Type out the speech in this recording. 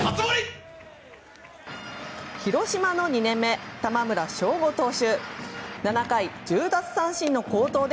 広島の２年目、玉村昇悟投手。